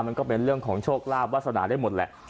มันก็เป็นเรื่องของโชคลาภวาสนาได้หมดแหละ